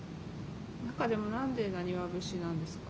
中でも何で「浪花節」なんですか？